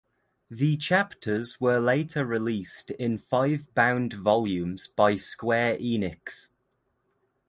The chapters were later released in five bound volumes by Square Enix.